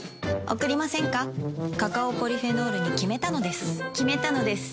カカオポリフェノールに決めたのです決めたのです。